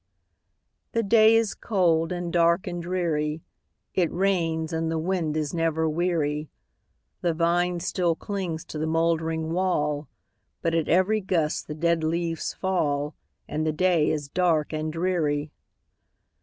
The day is cold, and dark, and dreary; It rains, and the wind is never weary; The vine still clings to the moldering wall, But at every gust the dead leaves fall, And the day is dark and dreary.